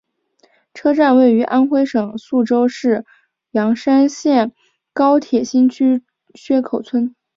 车站位于安徽省宿州市砀山县高铁新区薛口村。